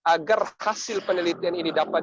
agar hasil penelitian ini dapat